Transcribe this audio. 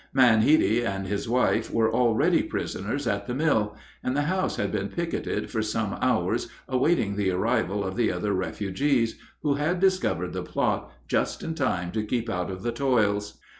"Man Heady" and his wife were already prisoners at the mill, and the house had been picketed for some hours awaiting the arrival of the other refugees, who had discovered the plot just in time to keep out of the toils.